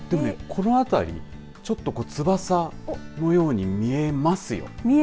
この辺りちょっと翼のように見えますよね。